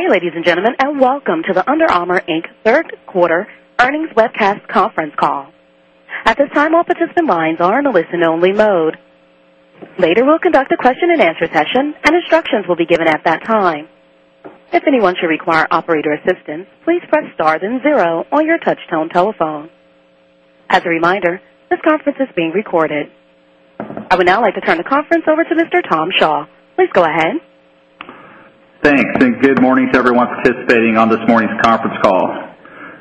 Good day, ladies and gentlemen, and welcome to the Under Armour Inc. Third Quarter Earnings Webcast Conference Call. At this time, all participants' lines are in a listen only mode. Later, we will conduct a question and answer session and instructions will be given at that time. As a reminder, this conference is being recorded. I would now like to turn the conference over to Mr. Tom Shaw. Please go ahead. Thanks, and good morning to everyone participating on this morning's conference call.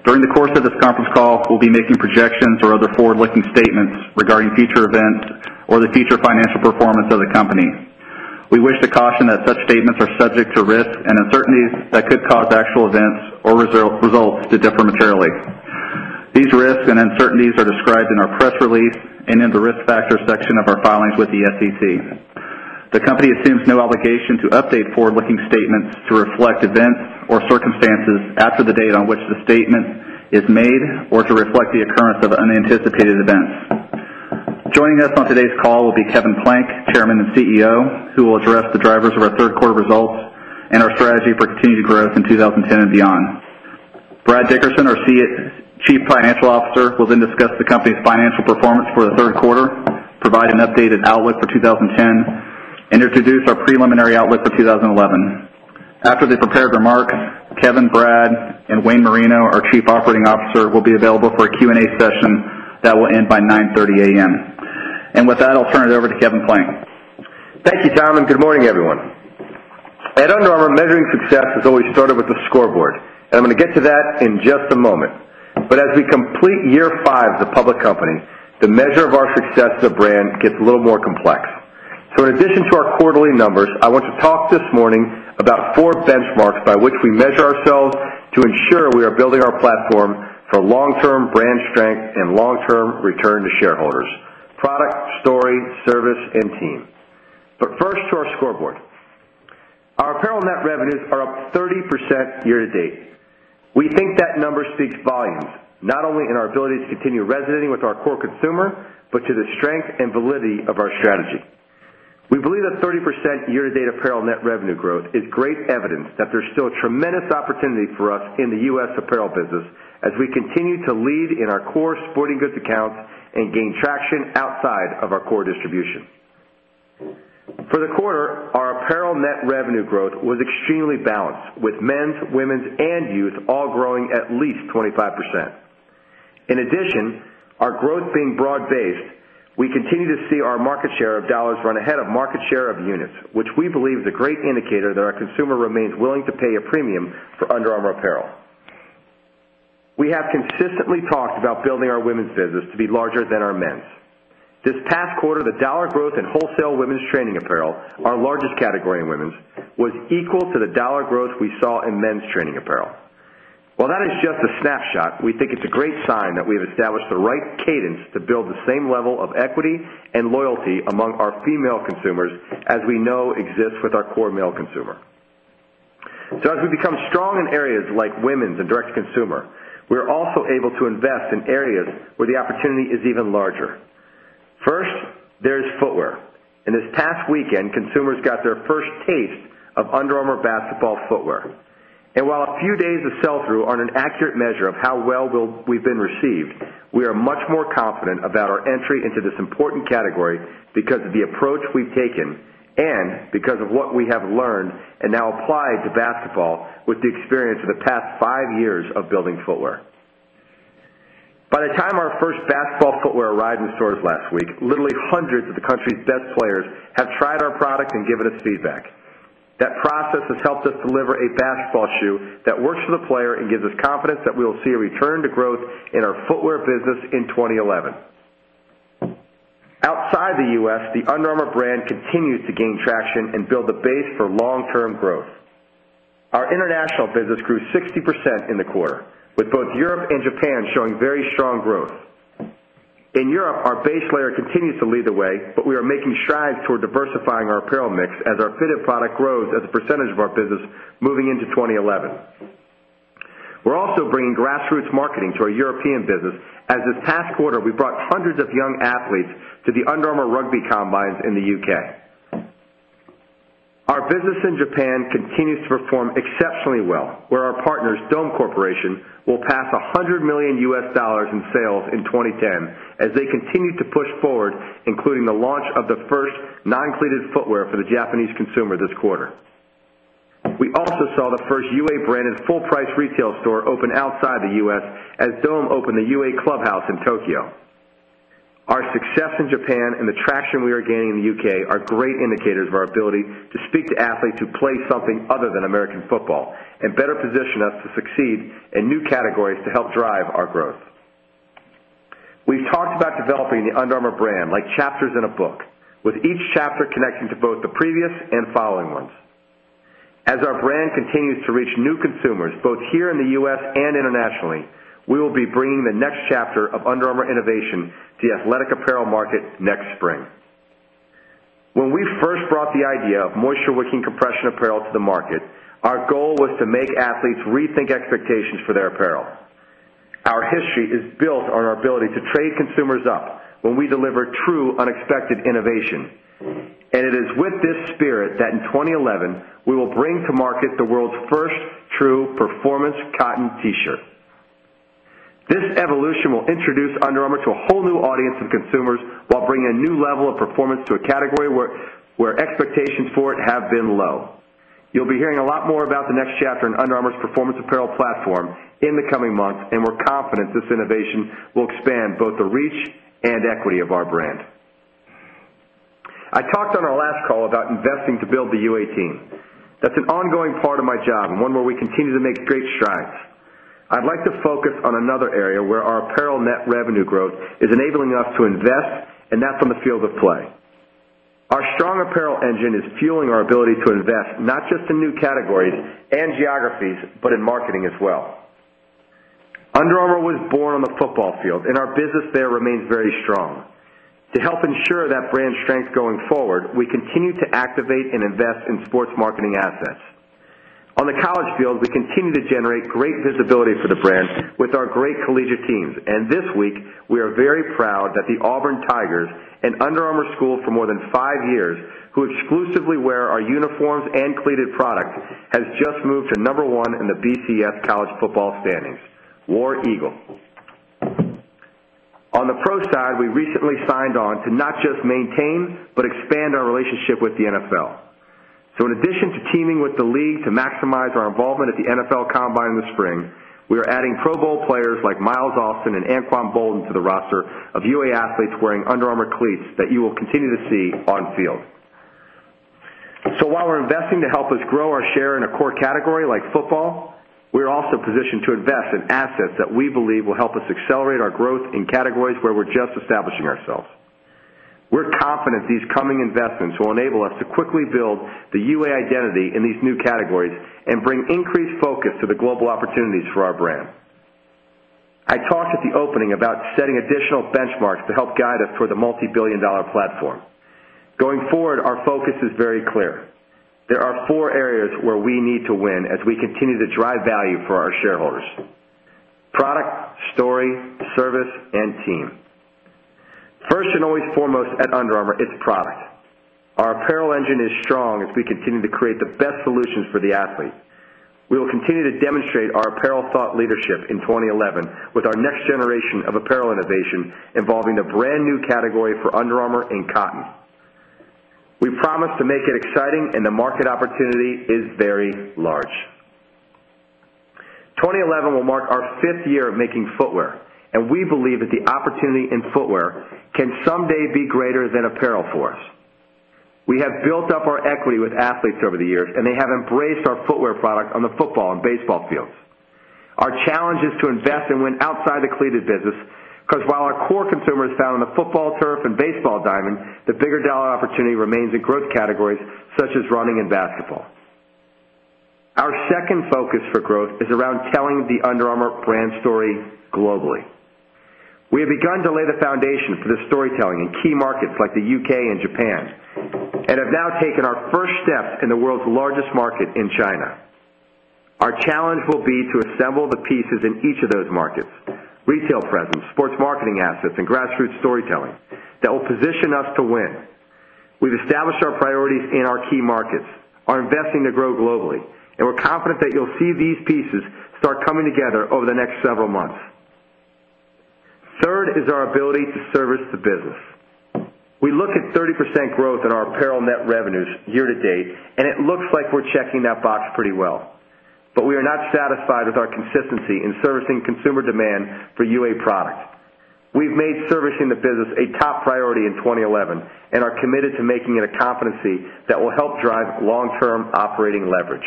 During the course of this conference call, we'll be making projections or other forward looking statements regarding future events or the future financial performance of the company. We wish to caution that such statements are subject to risks and uncertainties that could cause actual events or results to differ materially. These risks and uncertainties are described in our press release and in the Risk Factors section of our filings with the SEC. The company assumes no obligation to update forward looking statements to reflect events or circumstances after the date on which the statement is made or to reflect the occurrence of unanticipated events. Joining us on today's call will be Kevin Plank, Chairman and CEO, who will address the drivers of our Q3 results and our strategy for continued growth in 2010 and beyond. Brad Dickerson, our Chief Financial Officer, will then discuss the company's financial performance for the Q3, provide an updated outlook for 20 10 introduce our preliminary outlook for 2011. After the prepared remarks, Kevin, Brad and Wayne Marino, our Chief Operating Officer, will be available for a Q and A session that will end by 9:30 a. M. And with that, I'll turn it over to Kevin Plank. Thank you, Tom, and good morning, everyone. At Under Armour, measuring success has always started with the scoreboard, and I'm going to get to that in just a moment. But as we complete year 5 as a public company, the measure of our success of the brand gets a little more complex. So in addition to our quarterly numbers, I want to talk this morning about 4 benchmarks by which we measure ourselves to ensure we are building our platform for long term brand strength and long term return to shareholders: product, story, service and team. But first to our scoreboard. Our apparel net revenues are up 30% year to date. We think that number speaks volumes, not only in our ability to continue resonating with our core consumer, but to the strength and validity of our strategy. We believe that 30% year to date apparel net revenue growth is great evidence that there's still tremendous opportunity for us in the U. S. Apparel business as we continue to lead in our core sporting goods accounts and gain traction outside of our core distribution. For the quarter, our apparel net revenue growth was extremely balanced with Men's, Women's and Youth all growing at least 25%. In addition, our growth being broad based, we continue to see our market share of dollars run ahead of market share of units, which we believe is a great indicator that our consumer remains willing to pay a premium for Under Armour apparel. We have consistently talked about building our women's business to be larger than our men's. This past quarter, the dollar growth in wholesale women's training apparel, our largest category in women's, was equal to the dollar growth we saw in men's training apparel. While that is just a snapshot, we think it's a great sign that we have established the right cadence to build the same level of equity and loyalty among our female consumers as we know exists with our core male consumer. So as we become strong in areas like women's and direct to consumer, we are also able to invest in areas where the opportunity is even larger. First, there is footwear. In this past weekend, consumers got their first taste of Under Armour Basketball Footwear. And while a few days of sell through aren't an accurate measure of how well we've been received, we are much more confident about our entry into this important category because of the approach we've taken and because of what we have learned and now applied to basketball with the experience of the past 5 years of building footwear. By the time our first basketball footwear arrived in stores last week, literally 100 of the country's best players have tried our product and given us feedback. That process has helped us deliver a basketball shoe that works for the player and gives us confidence that we will see a return to growth in our footwear business in 2011. Outside the U. S, the Under Armour brand continues to gain traction and build the base for long term growth. Our international business grew 60% in the quarter with both Europe and Japan showing very strong growth. In Europe, our base layer continues to lead the way, but we are making strides toward diversifying our apparel mix as our fitted product grows as a percentage of our business moving into 2011. We're also bringing grassroots marketing to our European business as this past quarter we brought hundreds of young athletes to the Under Armour rugby combines in the UK. Our business in Japan continues to perform exceptionally well, where our partners, Dome Corporation, will pass US100 $1,000,000 in sales in 2010 as they continue to push forward, including the launch of the first non cleated footwear for the Japanese consumer this quarter. We also saw the 1st UA branded full price retail store open outside the U. S. As Dome opened the UA Clubhouse in Tokyo. Our success in Japan and the traction we are gaining in the U. K. Are great indicators of our ability to speak to athletes who play something other than American football and better position us to succeed in new categories to help drive our growth. We've talked about developing the Under Armour brand like chapters in a book, with each chapter connecting to both the previous and following ones. As our brand continues to reach new consumers, both here in the U. S. And internationally, we will be bringing the next chapter of Under Armour innovation to the athletic apparel market next spring. When we first brought the idea of moisture wicking compression apparel to the market, our goal was to make athletes rethink expectations for their apparel. Our history is built on our ability to trade consumers up when we deliver true unexpected innovation. And it is with this spirit that in 2011, we will bring to market the world's first true performance cotton t shirt. This evolution will introduce Under Armour to a whole new audience of consumers while bringing a new level of performance to a category where expectations for it have been low. You'll be hearing a lot more about the next chapter in Under Armour's performance apparel platform in the coming months, and we're confident this innovation will expand both the reach and equity of our brand. I talked on our last call about investing to build the UA team. That's an ongoing part of my job and one where we continue to make great strides. I'd like to focus on another area where our apparel net revenue growth is enabling us to invest and that's on the field of play. Our strong apparel engine is fueling our ability to invest not just in new categories and geographies, but in marketing as well. Under Armour was born on the football field, and our business there remains very strong. To help ensure that brand strength going forward, we continue to activate and invest in sports marketing assets. On the college field, we continue to generate great visibility for the brand with our great collegiate teams. And this week, we are very proud that the Auburn Tigers, an Under Armour school for more than 5 years, who exclusively wear our uniforms and cleated product, has just moved to number 1 in the VCS college football standings, War Eagle. On the pro side, we recently signed on to not just maintain but expand our relationship with the NFL. So in addition to teaming with the league to maximize our involvement at the NFL Combine in the spring, we are adding Pro Bowl players like Myles Austin and Anquan Bolden to the roster of UA athletes wearing Under Armour cleats that you will continue to see on field. So while we're investing to help us grow our share in a core category like football, we are also positioned to invest in assets that we believe will help us accelerate our growth in categories where we're just establishing ourselves. We're confident these coming investments will enable us to quickly build the UA identity in these new categories and bring increased focus to the global opportunities for our brand. I talked at the opening about setting additional benchmarks to help guide us toward the multibillion dollar platform. Going forward, our focus is very clear. There are 4 areas where we need to win as we continue to drive value for our shareholders: product, story, service and team. 1st and always foremost at Under Armour, it's product. Our apparel engine is strong as we continue to create the best solutions for the athlete. We will continue to demonstrate our apparel thought leadership in 2011 with our next generation of apparel innovation involving the brand new category for Under Armour and cotton. We promise to make it exciting and the market opportunity is very large. 2011 will mark our 5th year of making footwear and we believe that the opportunity in footwear can someday be greater than apparel for us. We have built up our equity with athletes over the years, and they have embraced our footwear product on the football and baseball fields. Our challenge is to invest and win outside the cleated business because while our core consumers found the football turf and baseball diamond, the bigger dollar opportunity remains in growth categories such as running and basketball. Our second focus for growth is around telling the Under Armour brand story globally. We have begun to lay the foundation for this storytelling like the U. K. And Japan and have now taken our first step in the world's largest market in China. Our challenge will be to assemble the pieces in each of those markets, retail presence, sports marketing assets and grassroots storytelling that will position us to win. We've established our priorities in our key markets, are investing to grow globally, and we're confident that you'll see these pieces start coming together over the next several months. 3rd is our ability to service the business. We look at 30% growth in our apparel net revenues year to date, and it looks like we're checking that box pretty well. But we are not satisfied with our consistency in servicing consumer demand for UA product. We've made servicing the business a top priority in 2011 and are committed to making it a competency that will help drive long term operating leverage.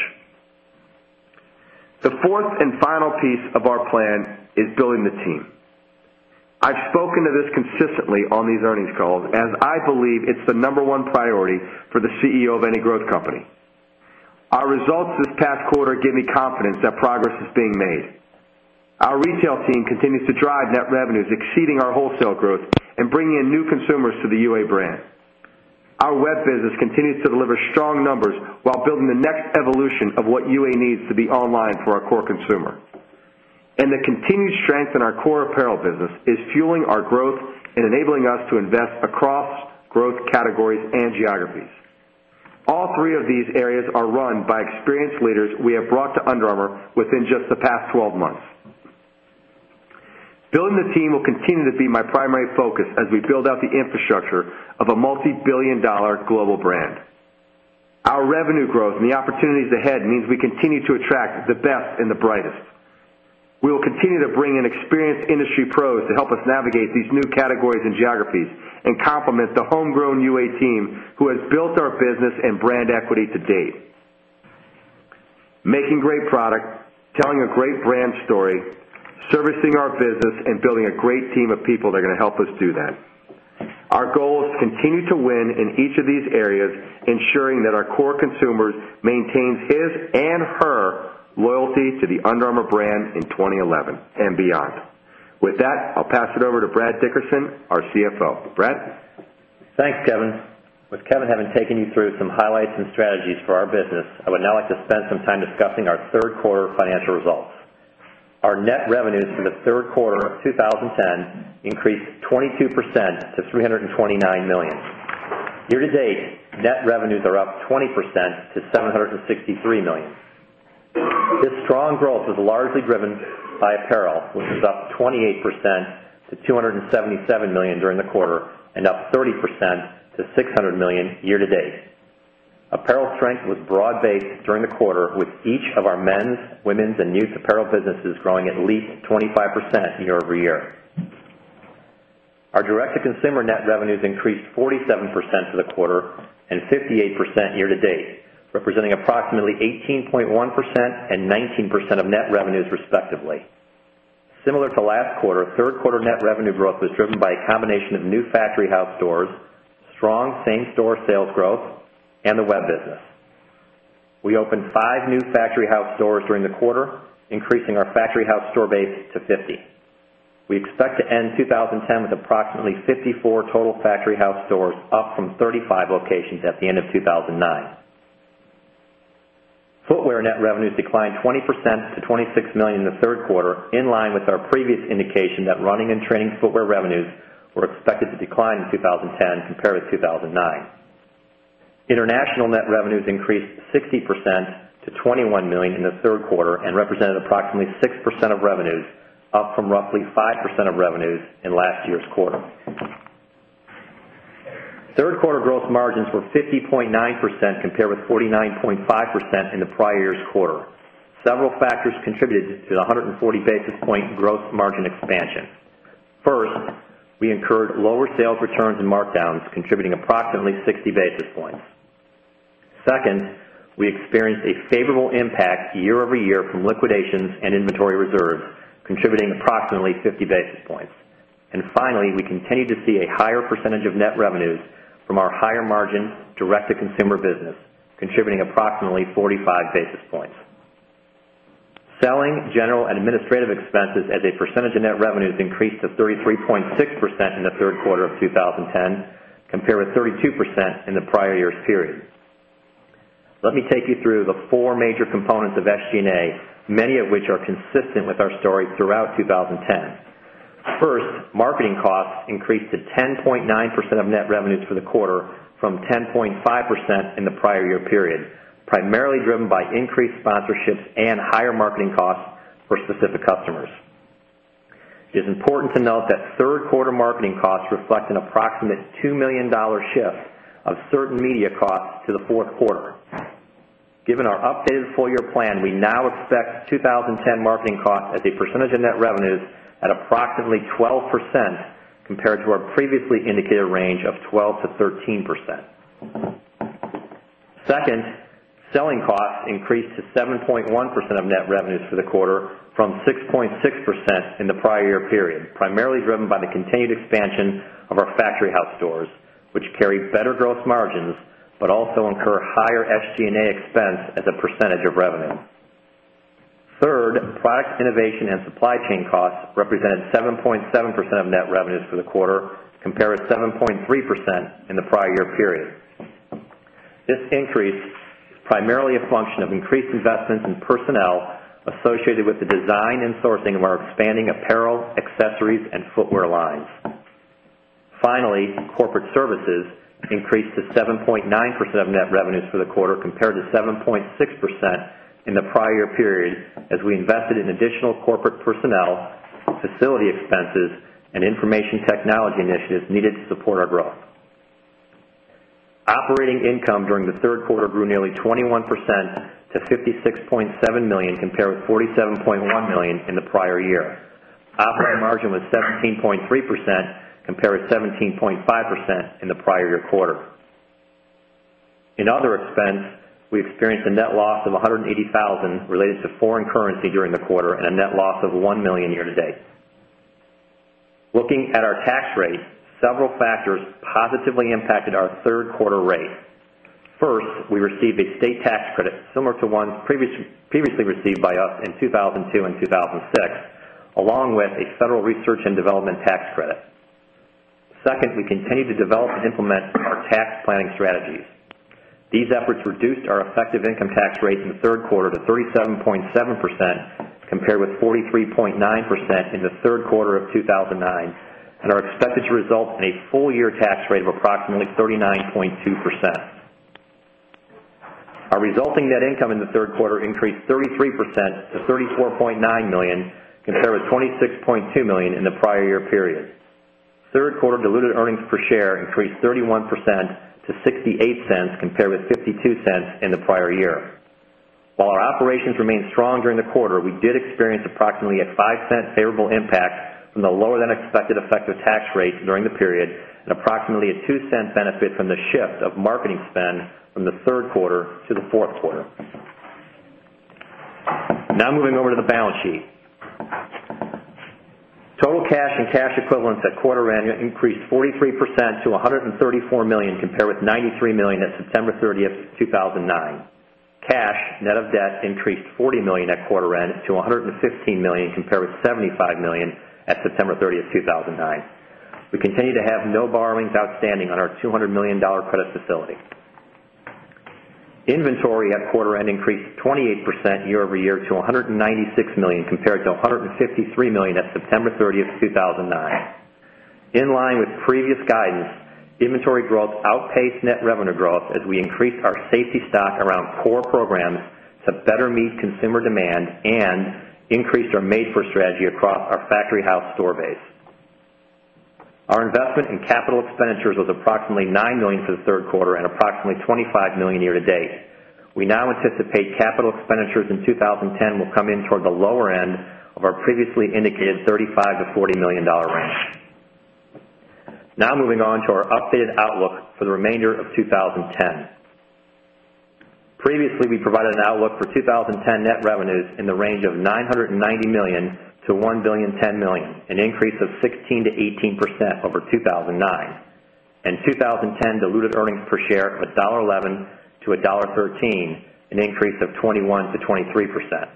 The 4th and final piece of our plan is building the team. I've spoken to this consistently on these earnings calls as I believe it's the number one priority for the CEO of any growth company. Our results this past quarter give me confidence that progress is being made. Our retail team continues to drive net revenues exceeding our wholesale growth and bringing in new consumers to the UA brand. Our web business continues to deliver strong numbers while building the next evolution of what UA needs to be online for our core consumer. And the continued strength in our core apparel business is fueling our growth and enabling us to invest across growth categories and geographies. All three of these areas are run by experienced leaders we have brought to Under Armour within just the past 12 months. Building the team will continue to be my primary focus as we build out the infrastructure of a multibillion dollar global brand. Our revenue growth and the opportunities ahead means we continue to attract the best and the brightest. We will continue to bring in experienced industry to help us navigate these new categories and geographies and complement the homegrown UA team who has built our business and brand equity to date. Making great product, telling a great brand story, servicing our business and building a great team of people that are going to help us do that. Our goal is to continue to win in each of these areas, ensuring that our core consumers maintain his and her loyalty to the Under Armour brand in 2011 and beyond. With that, I'll pass it over to Brad Dickerson, our CFO. Brad? Thanks, Kevin. With Kevin having taken you through some highlights and strategies for our business, I would now like to spend some time discussing our Q3 financial results. Our net revenues from the Q3 of 2010 increased 22% to $329,000,000 Year to date, net revenues are up 20 percent to $763,000,000 This strong growth was largely driven by apparel, which was up 28% to $277,000,000 during the quarter and up 30% to $600,000,000 year to date. Apparel strength was broad based during the quarter with each of our men's, women's and nutes apparel businesses growing at least 25% year over year. Our direct to consumer net revenues increased 47% for the quarter and 58% year to date, representing approximately 18.1% and 19 percent of net revenues, respectively. Similar to last quarter, 3rd quarter net revenue growth was driven by a combination of new factory house stores, strong same store sales growth and the web business. We opened 5 new factory house stores during the quarter, increasing our Factory House store base to 50. We expect to end 2010 with approximately 54 total Factory House stores, up from 35 locations at the end of 2,009. Footwear net revenues declined 20% to $26,000,000 in the 3rd quarter, in line with our previous indication that running and training footwear revenues were expected to decline in 2010 compared with 2,009. International net revenues increased 60% to $21,000,000 in the 3rd quarter and represented approximately 6% of revenues, up from roughly 5% of revenues in last year's quarter. 3rd quarter gross margins were 50.9% compared with 49.5% in the prior year's quarter. Several factors contributed to the 140 basis point gross margin expansion. 1st, we incurred lower sales returns and markdowns contributing approximately 60 basis points. 2nd, we experienced a favorable impact year over year from liquidations and inventory reserves contributing approximately 50 basis points. And finally, we continue to see a higher percentage of net revenues from our higher margin direct to consumer business contributing approximately 45 basis points. Selling, general and administrative expenses as a percentage of net revenues increased to 33.6% in the Q3 of 2010 compared with 32% in the prior year's period. Let me take you through the 4 major components of SG and A, many of which are consistent with our story throughout 2010. First, marketing costs increased to 10.9 percent of net revenues for the quarter from 10.5% in the prior year period, primarily driven by increased sponsorships and higher marketing costs for specific customers. It is important to note that 3rd quarter marketing cost reflect an approximate $2,000,000 shift of certain media costs to the 4th quarter. Given our updated full year plan, we now expect 20 10 marketing costs as a percentage of net revenues at approximately 12% compared to our previously indicated range of 12% to 13%. 2nd, selling costs increased to 7.1% of net revenues for the quarter from 6.6% in the prior year period, primarily driven by the continued expansion of our factory house stores, which carry better gross margins, but also incur higher SG and A expense as a percentage of revenue. 3rd, product innovation and supply chain costs represented 7.7% of net revenues for the quarter compared to 7.3% in the prior year period. This increase is primarily a function of increased investments in personnel associated with the design and sourcing of our expanding apparel, accessories and footwear lines. Finally, Corporate Services increased to 7.9% of net revenues for the quarter compared to 7.6% in the prior year period as we invested in additional corporate personnel, facility expenses and information technology initiatives needed to support our growth. Operating income during the Q3 grew nearly 21% to $56,700,000 compared with $47,100,000 in the prior year. Operating margin was 17.3% compared to 17.5% in the prior year quarter. In other expense, we experienced a net loss of 180 $1,000 related to foreign currency during the quarter and a net loss of $1,000,000 year to date. Looking at our tax rate, several factors positively impacted our 3rd quarter rate. First, we received a state tax credit similar to one previously received by us in 2002,006 along with a federal research and development tax credit. 2nd, we continue to develop and implement our tax planning strategies. These efforts reduced our effective income tax rate in the Q3 to 37.7% compared with 43.9% in the Q3 of 2,009 and are expected to result in a full year tax rate of approximately 39.2%. Our resulting net income in the 3rd quarter increased 33 percent to $34,900,000 compared with $26,200,000 in the prior year period. 3rd quarter diluted earnings per share increased 31 percent to $0.68 compared with $0.52 in the prior year. While our operations remained strong during the quarter, we did experience approximately a $0.05 favorable impact from the lower than expected effective tax rate during the period and approximately a $0.02 benefit from the shift of marketing spend from the Q3 to the Q4. Now moving over to the balance sheet. Total cash and cash equivalents at quarter end increased 43% to $134,000,000 compared with 93,000,000 at September 30, 2009. Cash, net of debt, increased $40,000,000 at quarter end to $115,000,000 compared with 75,000,000 dollars at September 30, 2009. We continue to have no borrowings outstanding on our $200,000,000 credit facility. Inventory at quarter end increased 28% year over year to $196,000,000 compared to $153,000,000 at September 30, 2000 and 9. In line with previous guidance, inventory growth outpaced net revenue growth as we increased our safety stock around core programs to better meet consumer demand and increased our made for strategy across our Factory House store base. Our investment in capital expenditures was approximately $9,000,000 for the 3rd quarter and approximately $25,000,000 year to date. We now anticipate capital expenditures in 2010 will come in toward the lower end of our previously indicated $35,000,000 to $40,000,000 range. Now moving on to our updated outlook for the remainder of 20 10. Previously, we provided an outlook for 20.10 net revenues in the range of $990,000,000 to $1,010,000,000 an increase of 16% to 18% over 2,009 and 2010 diluted earnings per share of $1.11 to $1.13 an increase of 21% to 23%.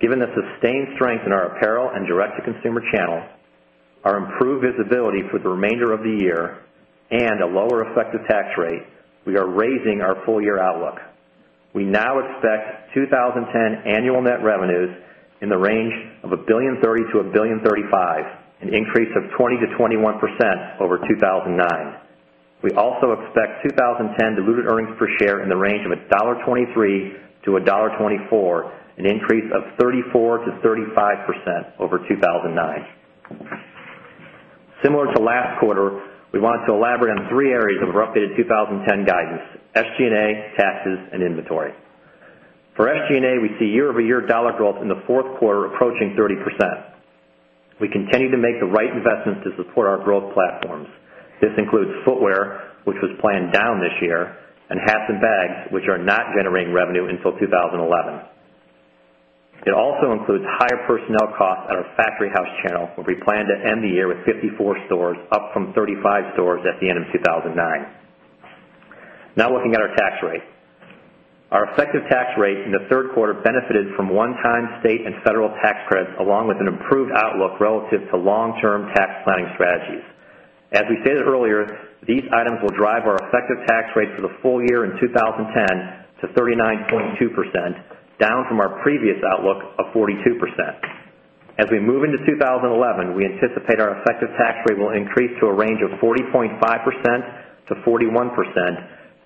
Given the sustained strength in our apparel and direct to consumer channel, our improved visibility for the remainder of the year and a lower effective tax rate, we are raising our full year outlook. We now expect 20.10 annual net revenues in the range of $1,030,000,000 to $1,035,000,000 an increase of 20% to 21% over 2,009. We also expect 20.10 diluted earnings per share in the range of $1.23 to $1.24 an increase of 34% to 35% over 2,009. Similar to last quarter, we want to elaborate on 3 areas of our updated 2010 guidance: SG and A, taxes and inventory. For SG and A, we see year over year dollar growth in the 4th quarter approaching 30%. We continue to make the right investments to support our growth platforms. This includes footwear, which was planned down this year, and hats and bags, which are not generating revenue until 2011. It also includes higher personnel costs at our Factory House channel. But we plan to end the year with 54 stores, up from 35 stores at the end of 2,009. Now looking at our tax rate. Our effective tax rate in the 3rd quarter benefited from one time state and federal tax credits along with an improved outlook relative to long term tax planning strategies. As we stated earlier, these items will drive our effective tax rate for the full year in 2010 to 39.2%, down from our previous outlook of 42%. As we move into 2011, we anticipate our effective tax rate will increase to a range of 40.5% to 41%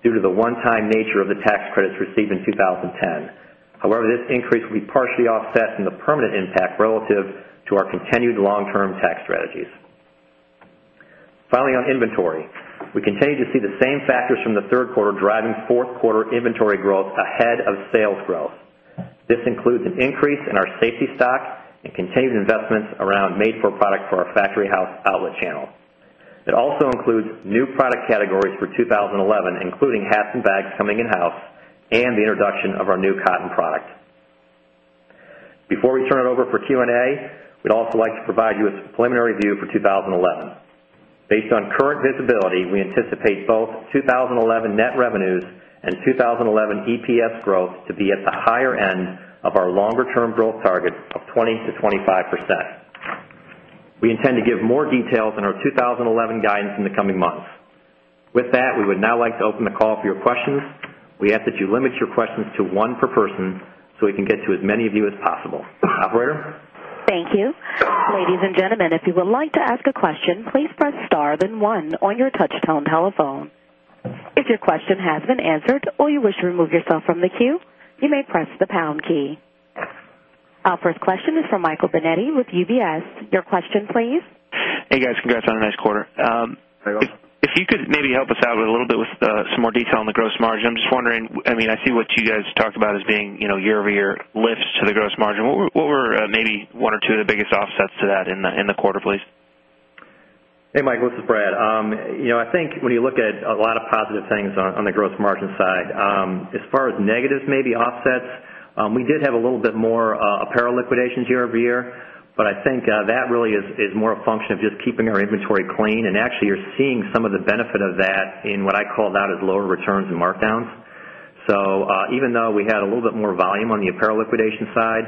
due to the one time nature of the tax credits received in 2010. However, this increase will be partially offset from the permanent impact relative to our continued long term tax strategies. Finally, on inventory. We continue to see the same factors from the 3rd quarter driving 4th quarter inventory growth ahead of sales growth. This includes an increase in our safety stock and continued investments around made for product for our factory house outlet channel. It also includes new product categories for 2011, including hats and bags coming in house and the introduction of our new cotton product. Before we turn it over for Q and A, we'd also like to provide you a preliminary view for 2011. Based on current visibility, we anticipate both 2011 net revenues and 2011 EPS growth to be at the higher end of our longer term growth target of 20% to 25%. We intend to give more details on our 2011 guidance in the coming months. With that, we would now like to open the call for your questions. We ask that you limit your questions to 1 per person, so we can get to as many of you as possible. Operator? Thank Our Our first question is from Michael Binetti with UBS. Your question please. Hey guys, congrats on a nice quarter. If you could maybe help us out a little bit with some more detail on the gross margin. I'm just wondering, I mean, I see what you guys talked about as being year over year lifts to the gross margin. What were maybe 1 or 2 of the biggest offsets to that in the quarter, please? Hey, Michael, this is Brad. I think when you look at a lot of positive things on the gross margin side, as far as negatives maybe offsets, we did have a little bit more apparel liquidations year over year. But I think that really is more a function of just keeping our inventory clean. And actually, you're seeing some of the benefit of that in what I called out as lower returns and markdowns. So even though we had a little bit more volume on the apparel liquidation side,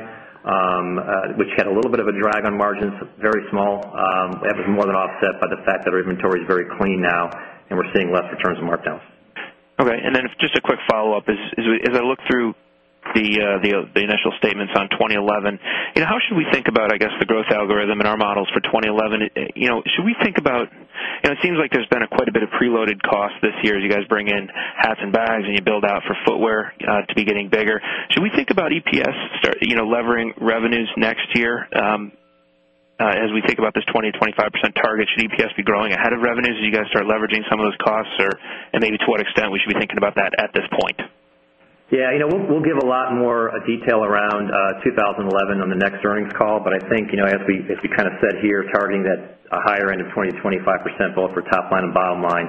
which had a little bit of a drag on margins, very small, that was more than offset by the fact that our inventory is very clean now and we're seeing less returns and markdowns. Okay. And then just a quick follow-up. As I look through the initial statements on 2011, how should we think about, I guess, the growth algorithm in our models for 2011? Should we think about it seems like there's been a quite a bit of preloaded costs this year as you guys bring in hats and bags and you build out for footwear to be getting bigger. Should we think about EPS start levering revenues next year? As we think about this 20% to 25% target, should EPS be growing ahead of revenues as you guys start leveraging some of those costs? And maybe to what extent we should be thinking about that at this point? Yes. We'll give a lot more detail around 2011 on the next earnings call, but I think as we kind of sit here targeting that higher end of 20% to 25% both for top line and bottom line,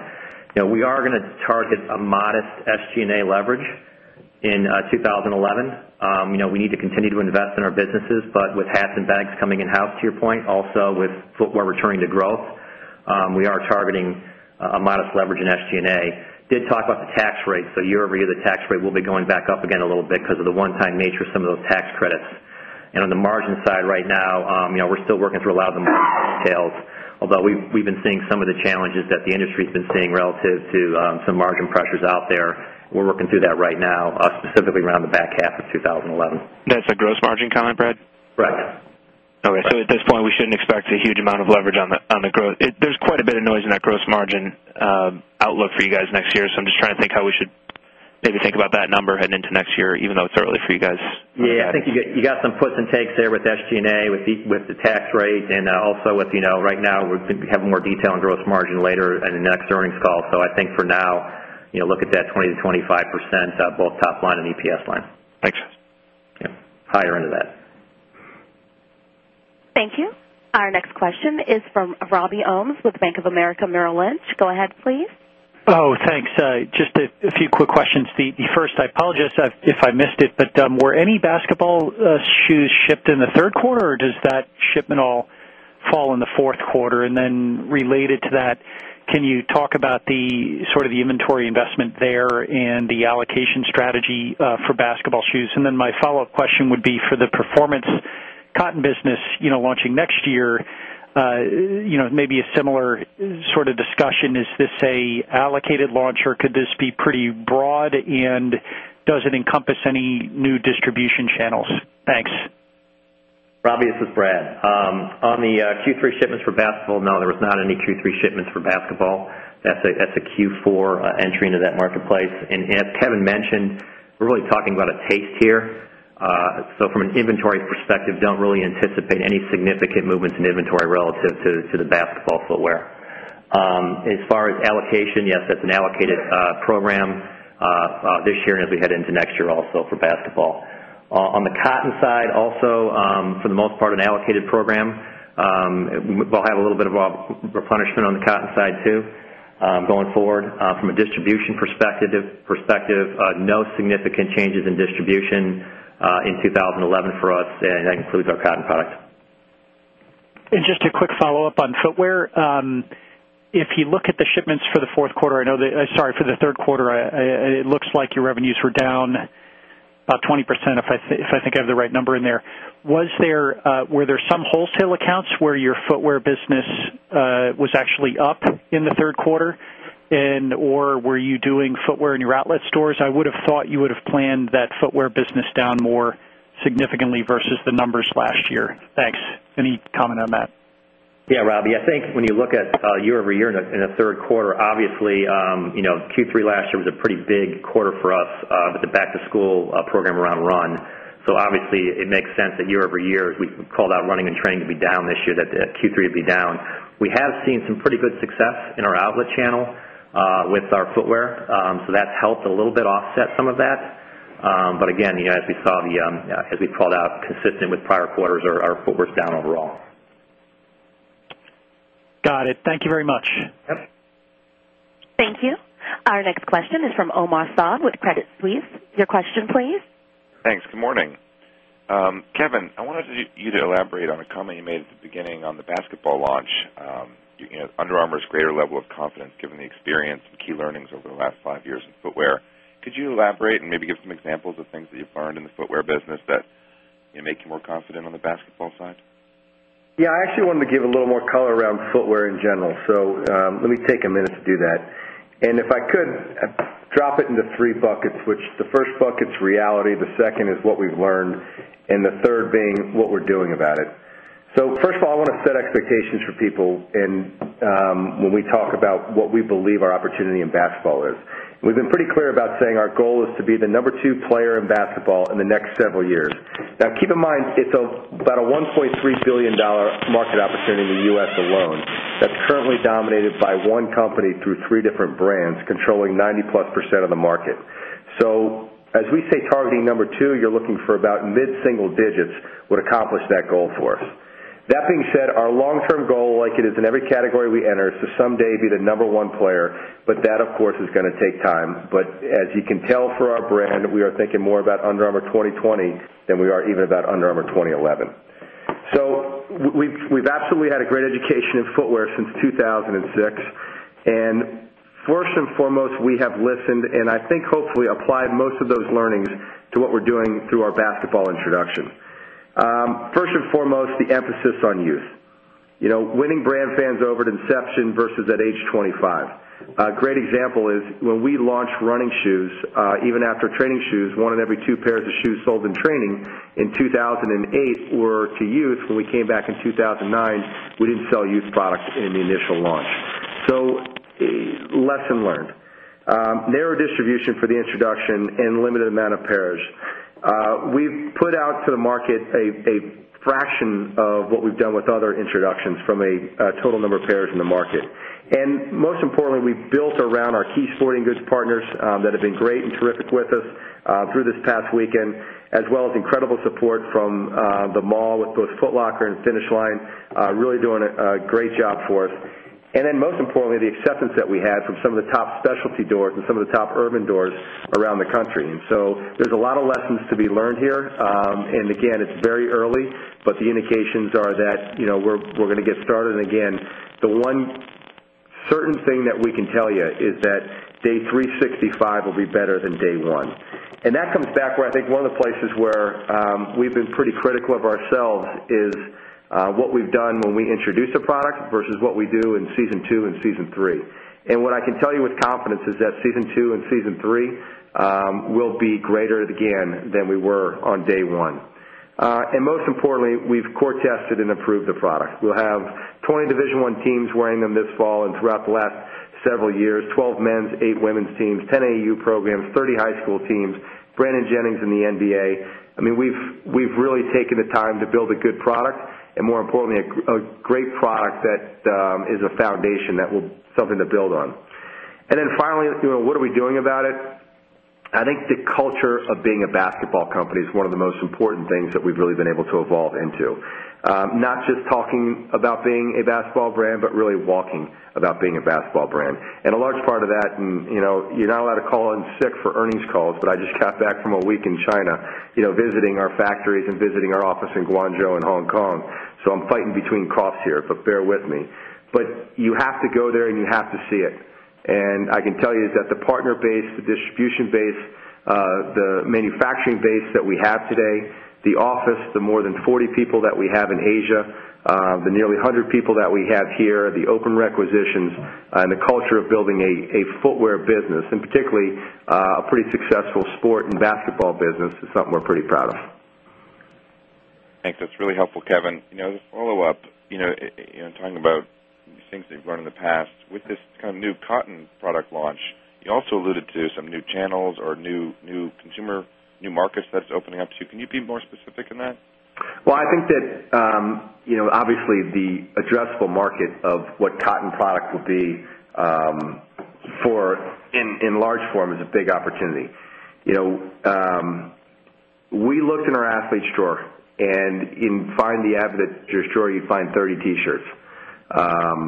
we are going to target a modest SG and A leverage in 2011. We need to continue to invest in our businesses, but with hats and bags coming in house, to your point, also with footwear returning to growth, we are targeting a modest leverage in SG and A. Did talk about the tax rate. So year over year, the tax rate will be going back up again a little bit because of the one time nature of some of those tax credits. And on the margin side, right now, we're still working through a lot of the margin details. Although we've been seeing some of the challenges that the industry has been seeing relative to some margin pressures out there. We're working through that right now, specifically around the back half of twenty eleven. That's a gross margin comment, Brad? Right. Okay. So at this point, we shouldn't expect a huge amount of leverage on the growth. There's quite a bit of noise in that gross margin outlook for you guys next year. So I'm just trying to think how we should maybe think about that number heading into next year even though it's early for you guys. Yes. I think you got some puts and takes there with SG and A with the tax rate and also with right now, we have more detail on gross margin later in the next earnings call. So I think for now, look at that 20% to 25 percent both top line and EPS line. Thanks. Yes, higher end of that. Thank you. Our next question is from Robbie Ohmes with Bank of America Merrill Lynch. Go ahead, please. Thanks. Just a few quick questions. The first, I apologize if I missed it, but were any basketball shoes shipped in the Q3 or does that shipment all fall in the Q4? And then related to that, can you talk about the sort of the inventory investment there and the allocation strategy for basketball shoes? And then my follow-up question would be for the Performance Cotton business launching next year, maybe a similar sort of discussion. Is this a allocated launch or could this be pretty broad? And does it encompass any new distribution channels? Thanks. Robbie, this is Brad. On the Q3 shipments for basketball, no, there was not any Q3 shipments for basketball. That's a Q4 entry into that marketplace. And as Kevin mentioned, we're really talking about a taste here. So from an inventory perspective, don't really anticipate any significant movements in inventory relative to the basketball footwear. As far as allocation, yes, that's an allocated program this year and as we head into next year also for basketball. On the cotton side also, for the most part, an allocated program. We'll have a little bit of a replenishment on the cotton side too going forward. From a distribution perspective, no significant changes in distribution in 2011 for us and that includes our cotton product. And just a quick follow-up on footwear. If you look at the shipments for the Q4, I know that sorry, for the Q3, it looks like your revenues were down 20%, if I think I have the right number in there. Was there were there some wholesale accounts where your footwear business was actually up in the 3rd quarter? And or were you doing footwear in your outlet stores? I would have thought you would have planned that footwear business down more significantly versus the numbers last year. Thanks. Any comment on that? Yes, Robbie. I think when you look at year over year in the Q3, obviously, Q3 last year was a pretty big quarter for us with the back to school program around run. So obviously, it makes sense that year over year, we called out running and training to be down this year that Q3 would be down. We have seen some pretty good success in our outlet channel with our footwear. So that's helped a little bit offset some of that. But again, as we saw the as we called out consistent with prior quarters, our footwear is down overall. Got it. Thank you very much. Thank you. Our next question is from Omar Saad with Credit Suisse. Your question please. Thanks. Good morning. Kevin, I wanted you to elaborate on a comment you made at the beginning on the basketball launch. Under Armour's greater level of confidence given the experience and key learnings over the last 5 years in footwear. Could you elaborate and maybe give some examples of things that you've learned in the footwear business that make you more confident on the basketball side? Yes. I actually wanted to give a little more color around footwear in general. So, let me take a minute to do that. And if I could, drop it into 3 buckets, which the first bucket's reality, the second is what we've learned and the third being what we're doing about it. So, first of all, I want to set expectations for people and when we talk about what we believe our opportunity in basketball is. We've been pretty clear about saying our goal is to be the number 2 player in basketball in the next several years. Now, keep in mind, it's about a $1,300,000,000 market opportunity in the U. S. Alone that's currently dominated by 1 company through 3 different brands controlling 90 plus percent of the market. So as we say targeting number 2, you're looking for about mid single digits would accomplish that goal for us. That being said, our long term goal like it is in every category we enter is to someday be the number one player, but that of course is going to take time. But as you can tell for our brand, we are thinking more about Under Armour 2020 than we are even about Under Armour 2011. So, we've absolutely had a great education in footwear since 2,006. And 1st and foremost, we have listened and I think hopefully applied most of those learnings to what we're doing through our basketball introduction. 1st and foremost, the emphasis on youth. Winning brand fans over at inception versus at age 25. A great example is when we launched running shoes, even after training shoes, 1 in every 2 pairs of shoes sold in training in 2,008 were to youth. When we came back in 2,009, we didn't sell youth product in the initial launch. So lesson learned, narrow distribution for the introduction and limited amount of pairs. We've put out to the market a fraction of what we've done with other introductions from a total number of pairs in the market. And most importantly, we've built around our key sporting goods partners that have been great and terrific with us through this past weekend as well as incredible support from the mall with both Foot Locker and Finish Line really doing a great job for us. And then most importantly, the acceptance that we had from some of the top specialty doors and some of the top urban doors around the country. And so there's a lot lessons to be learned here. And again, it's very early, but the indications are that we're going to get started. And again, the one certain thing that we can tell you is that day 365 will be better than day 1. And that comes back where I think one of the places where we've been pretty critical of ourselves is what we've done when we introduced a product versus what we do in season 2 and season 3. And what I can tell you with confidence is that season 2 and season 3 will be greater again than we were on day 1. And most importantly, we've core tested and approved the product. We'll have 20 Division 1 teams wearing them this fall and throughout the last several years, 12 men's, 8 women's teams, 10 AU programs, 30 high school teams, Brandon Jennings in the NBA. I mean, we've really taken the time to build a good product and more importantly, a great product that is a foundation that will something to build on. And then finally, what are we doing about it? I think the culture of being a basketball company is one of the most important things that we've really been able to evolve into, not just talking about being a basketball brand, but really walking about being a basketball brand. And a large part of that, and you're not allowed to call in sick for earnings calls, but I just got back from a week in China visiting our factories and visiting our office in Guangzhou in Hong Kong. So, I'm fighting between costs here, but bear with me. But you have to go there and you have to see it. And I can tell you that the partner base, the distribution base, the manufacturing base that we have today, the office, the more than 40 people that we have in Asia, the nearly 100 people that we have here, the open requisitions and the culture of building a footwear business and particularly a pretty successful sport and basketball business is something we're pretty proud of. Thanks. That's really helpful, Kevin. As a follow-up, talking about things that you've learned in the past, with this kind of new cotton product launch, you also alluded to some new channels or new consumer new markets that's opening up. So, can you be more specific in that? Well, I think that, obviously, the addressable market of what cotton product will be for in large form is a big opportunity. We looked in our athletes' store And in Find the Avenue Store, you'd find 30 T shirts, 4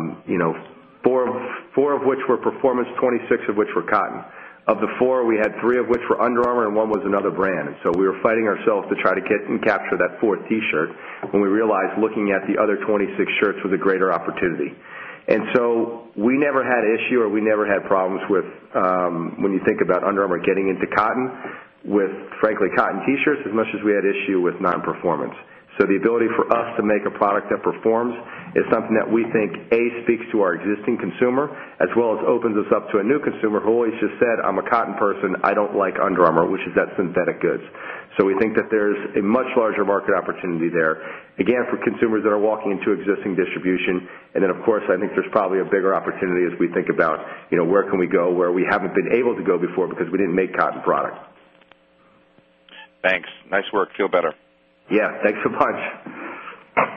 of which were Performance, 26 of which were Cotton. Of the 4, we had 3 of which were Under Armour and 1 was another brand. And so, we were fighting ourselves to try to get and capture that 4th T shirt when we realized looking at the other 26 shirts was a greater opportunity. And so, we never had issue or we never had problems with, when you think about Under Armour getting into cotton with, frankly, cotton T shirts as much as we had issue with nonperformance. So, the ability for us to make a product that performs is something that we think, A, speaks to our existing consumer as well as opens us up to a new consumer who always just said, I'm a cotton person. I don't like Under Armour, which is that synthetic goods. So, we think that there is a much larger market opportunity there, again, for consumers that are walking into existing distribution. And then, of course, I think there's probably a bigger opportunity as we think about where can we go where we haven't been able to go before because we didn't make cotton products. Thanks. Nice work. Feel better. Yes. Thanks so much.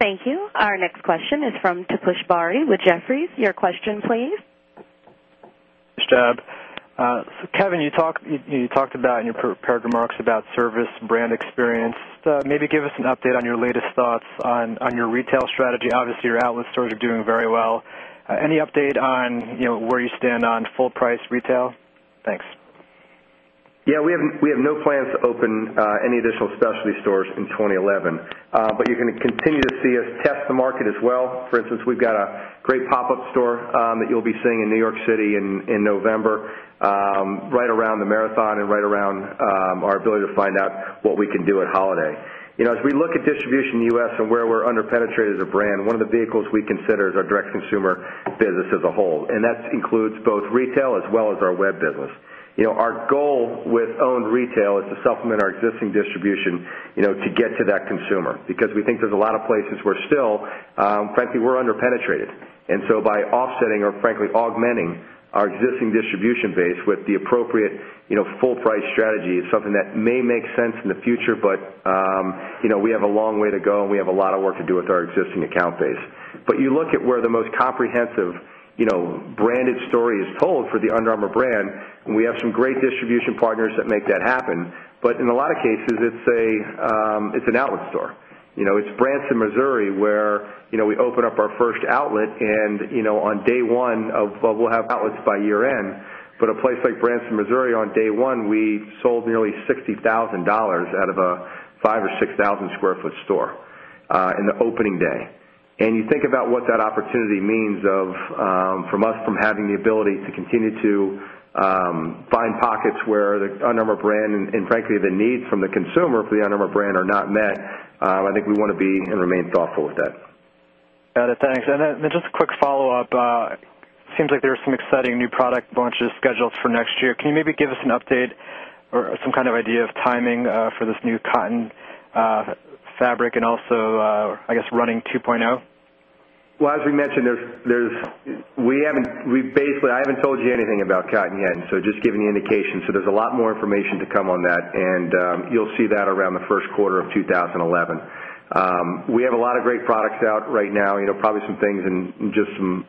Thank you. Our next question is from Tapush Bari with Jefferies. Your question please. Good job. So Kevin, you talked about in your prepared remarks about service and brand experience. Maybe give us an update on your latest thoughts on your retail strategy. Obviously, your outlet stores are doing very well. Any update on where you stand on full price retail? Thanks. Yes, we have no plans to open any additional specialty stores in 2011, but you're going to continue to see us test the market as well. For instance, we've got a great pop up store that you'll be seeing in New York City in November, right around the marathon and right around our ability to find out what we can do at Holiday. As we look at distribution in the U. S. And where we're underpenetrated as a brand, one of the vehicles we consider is our direct to consumer business as a whole, and that includes both retail as well as our web business. Our goal with owned retail is to supplement our existing distribution to get to that consumer because we think there's a lot of places where still, frankly, we're underpenetrated. And so by offsetting or, frankly, augmenting our existing distribution base with the appropriate full price strategy is something that may make sense in the future, but we have a long way to go and we have a lot of work to do with our existing account base. But you look at where the most comprehensive branded story is told for the Under Armour brand, and we have some great distribution partners that make that happen. But in a lot of cases, it's an outlet store. It's Branson, Missouri, where we open up our first outlet. And on day 1 of we'll have outlets by year end. But a place like Branson, Missouri, on day 1, we sold nearly $60,000 out of a 5000 or 6000 square foot store in the opening day. And you think about what that opportunity means of from us from having the ability to continue to find pockets where the Unimer brand and, frankly, the seems like there are seems like there are some exciting new product launches scheduled for next year. Can you maybe give us an update or some kind of idea of timing for this new cotton fabric and also, I guess, running 2.0? Well, as we mentioned, there's we haven't we basically I haven't told you anything about cotton yet, so just giving you indications. So there's a lot more information to come on that, and you'll see that around the Q1 of 2011. We have a lot of great products out right now, probably some things in just some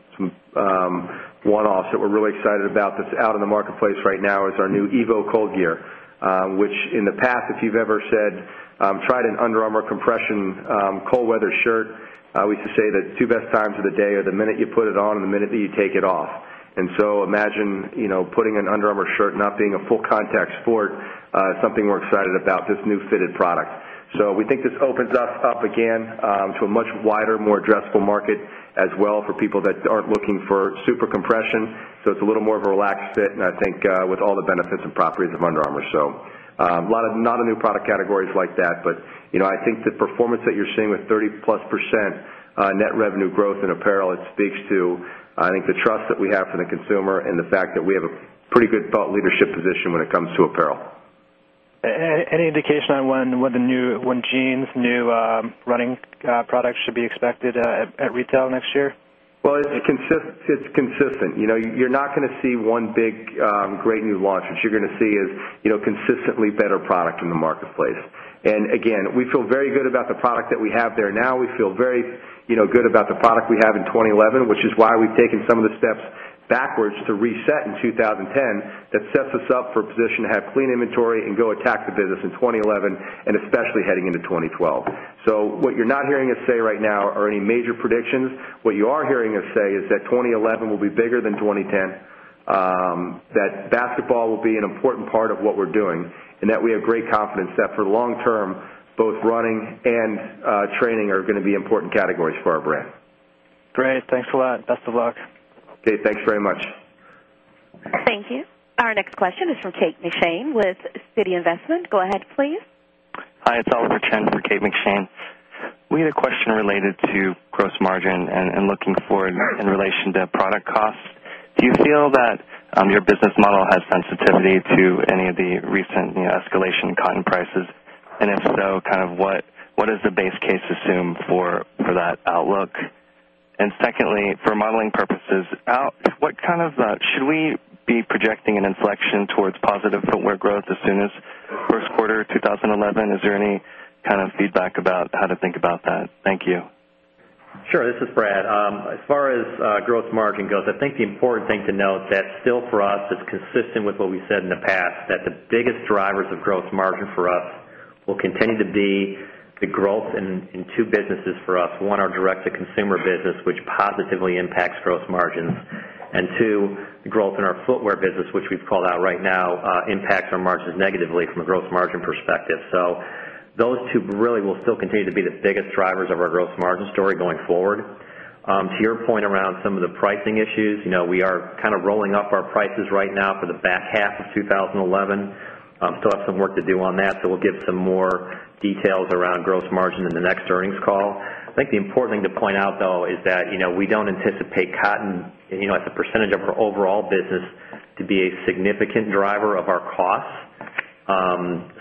one offs that we're really excited about that's out in the marketplace right now is our new EVO cold gear, which in the past, if you've ever said, tried an underarm or compression cold weather shirt, We used to say that 2 best times of the day are the minute you put it on and the minute that you take it off. And so imagine putting an Under Armour shirt not being a full contact sport, something we're excited about, this new fitted product. So, we think this opens us up again to a much wider, more addressable market as well for people that aren't looking for super compression. So, it's a little more of a relaxed fit and I think with all the benefits and properties of Under Armour. So, a lot of not a new product categories like that. But I think the performance that you're seeing with 30 plus percent net revenue growth in apparel, it speaks to, I think, the trust that we have for the consumer and the fact that we have a pretty good thought leadership position when it comes to apparel. Indication on when the new when jeans new running products should be expected at retail next year? Well, it's consistent. You're not going to see one big, great new launch. What you're going to see is consistently better product in the marketplace. And again, we feel very good about the product that we have there now. We feel very good about the product we have in 2011, which is why we've taken some of the steps backwards to reset in 2010 that sets us up for a position to have clean inventory and go attack the business in 2011 and especially heading into 2012. So, what you're not hearing us say right now are any major predictions. What you are hearing us say is that 2011 will be bigger than 2010, that basketball will be an important part of what we're doing, and that we have great confidence that for long term, both running and training are going to be important categories for our brand. Great. Thanks a lot. Best of luck. Okay. Thanks very much. Thank you. Our next question is from Kate McShane with Citi Investment. Go ahead please. Hi. It's Oliver Chen for Kate McShane. We had a question related to gross margin and looking for in relation to product costs. Do you feel that your business model has sensitivity to any of the recent escalation in cotton prices? And if so, kind of what is the base case assume for that outlook? And secondly, for modeling purposes, what kind of should we be projecting an inflection towards positive footwear growth as soon as Q1 2011? Is there any kind of feedback about how to think about that? Thank you. Sure. This is Brad. As far as gross margin goes, I think the important thing to note that still for us is consistent with what we said in the past that the biggest drivers of gross margin for us will continue to be the growth in 2 businesses for us. 1, our direct to consumer business, which positively impacts gross margins. And 2, the growth in our footwear business, which we've called out right now, impacts our margins negatively from a gross margin perspective. So those 2 really will still continue to be the biggest drivers of our gross margin story going forward. To your point around some of the pricing issues, we are kind of rolling up our prices right now for the back half of twenty eleven. Still have some work to do on that. So we'll give some more details around gross margin in the next earnings call. I think the important thing to point out though is that we don't anticipate cotton as a percentage of our overall business to be a significant driver of our costs.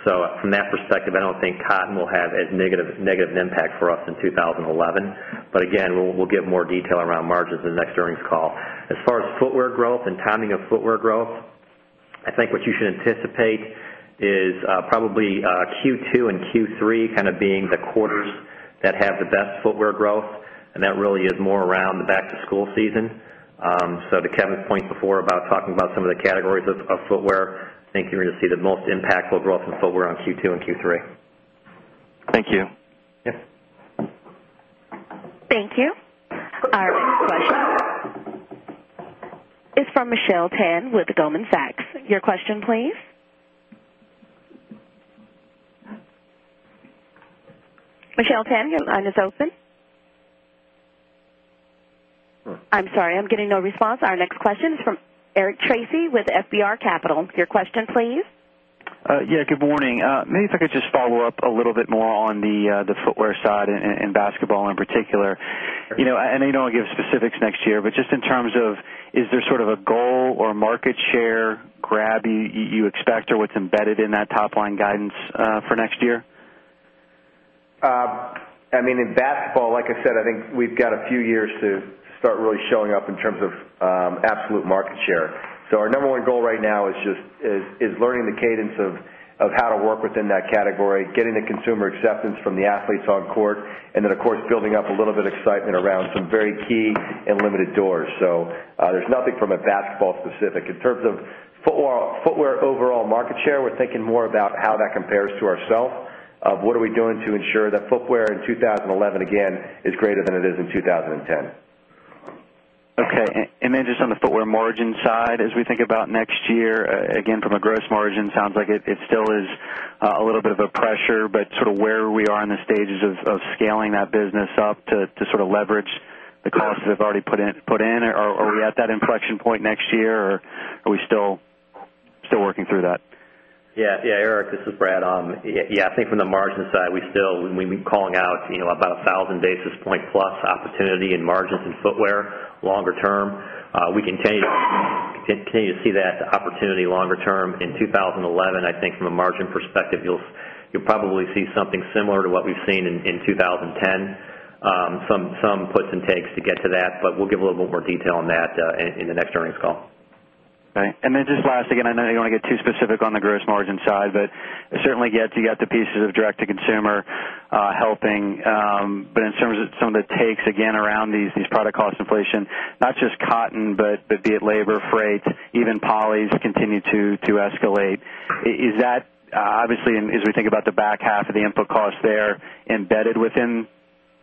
So from that 2011. But again, we'll give more detail around margins in the next earnings call. As far as footwear growth and timing of footwear growth, I think what you should anticipate is probably Q2 and Q3 kind of being the quarters that have the best footwear growth and that really is more around the back to school season. So to Kevin's point before about talking about some of the categories of footwear, I you're going to see the most impact overall for footwear on Q2 and Q3. Thank you. Thank you. Our next question is from Michelle Tan with Goldman Sachs. Your question please. Michelle Tan, your line is open. I'm sorry, I'm getting no response. Our next question is from Eric Tracy with FBR Capital. Your question please. Yes, good morning. Maybe if I could just follow-up a little bit more on the footwear side and basketball in particular. I know you don't give specifics next year, but just in terms of is there sort of a goal or market share grab you expect or what's embedded in that top line guidance for next year? I mean, in that, Paul, like I said, I think we've got a few years to start really showing up in terms of absolute market share. So our number one goal right now is just is learning the cadence of how to work within that category, getting the consumer acceptance from the athletes on court and then of course building up a little bit of excitement around some very key and limited doors. So, there's nothing from a basketball specific. In terms of footwear overall market share, we're thinking more about how that compares to ourselves, what are we doing to ensure that footwear in 2011 again is greater than it is in 2010. Okay. And then just on the footwear margin side, as we think about next year, again from a gross margin, it sounds like it still is a little bit of a pressure, but sort of where we are in the stages of scaling that business up to sort of leverage the costs that we've already put in? Are we at that inflection point next year? Or are we still working through that? Yes. Eric, this is Brad. Yes, I think from the margin side, we still we've been calling out about 1,000 basis point plus opportunity in margins in footwear longer term. We continue to see that opportunity longer term. In 2011, I think from a margin perspective, you'll probably see something similar to what we've seen in 2010, some puts and takes to get to that, but we'll give a little bit more detail on that in the next earnings call. Okay. And then just lastly, again, I know you don't want to get too specific on the gross margin side, but certainly you got the pieces of direct to consumer helping. But in terms of some of the takes again around these product cost inflation, not just cotton, but be it labor, freight, even polys continue to escalate. Is that obviously, as we think about the back half of the input costs there embedded within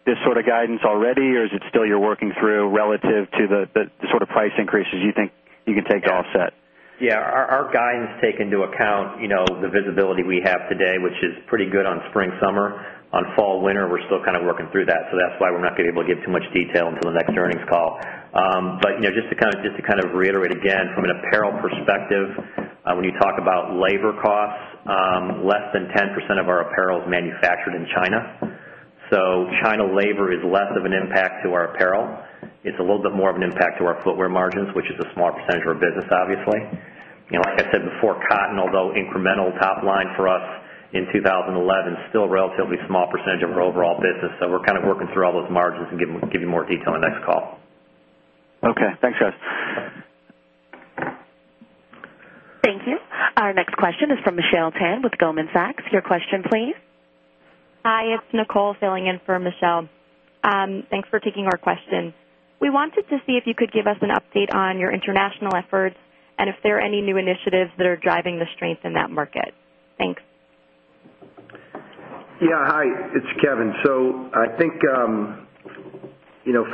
this sort of guidance already? Or is it still you're working through relative to the sort of price increases you think you can take to offset? Yes. Our guidance take into account the visibility we have today, which is pretty good on springsummer. On fallwinter, we're still kind of working through that, so that's why we're not going to be able to give too much detail until the next earnings call. But just to kind of reiterate again, from an apparel perspective, when you talk about labor costs, less than 10% of our apparel is manufactured in China. So China labor is less of an impact to our apparel. It's a little bit more of an impact to our footwear margins, which is a small percentage of our business, obviously. Like I said before, cotton, although incremental top line for us in 2011, still relatively small percentage of our overall business. So we're kind of working through all those margins and give you more detail on the next call. Okay. Thanks guys. Thank you. Our next question is from Michelle Tan with Goldman Sachs. Your question please. Hi, it's Nicole filling in for Michelle. Thanks for taking our questions. We wanted to see if you could give us an update on your international efforts and if there are any new initiatives that are driving the strength in that market. Thanks. Yes. Hi, it's Kevin. So, I think,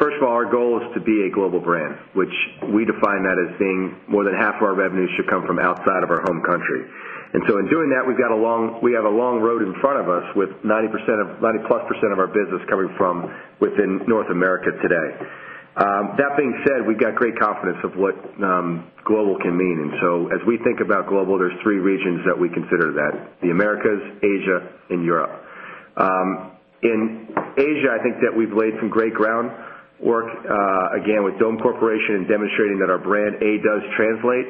first of all, our goal is to be a global brand, which we define that as being more than half of our revenue should come from outside of our home country. And so, in doing that, we've got a long we have a long road in front of us with 90% of 90 plus percent of our business coming from within North America today. That being said, we've got great confidence of what global can mean. And so, as we think about global, there's 3 regions that we consider that: the Americas, Asia and Europe. In Asia, I think that we've laid some great groundwork, again, with Dome Corporation in demonstrating that our brand A does translate